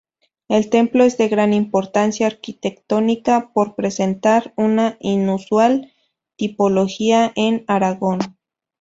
El templo es de gran importancia arquitectónica por presentar una inusual tipología en Aragón.